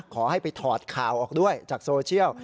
ขอให้ไปถอดข่าวออกด้วยจากโซเชียล